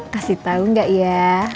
kasih tau gak ya